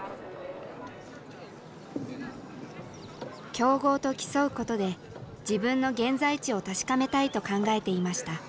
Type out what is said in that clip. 強豪と競うことで自分の現在地を確かめたいと考えていました。